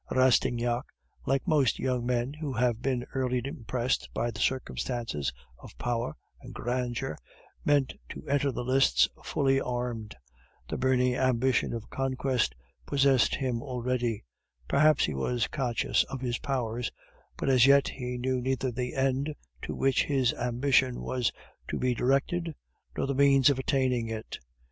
Rastignac, like most young men who have been early impressed by the circumstances of power and grandeur, meant to enter the lists fully armed; the burning ambition of conquest possessed him already; perhaps he was conscious of his powers, but as yet he knew neither the end to which his ambition was to be directed, nor the means of attaining it.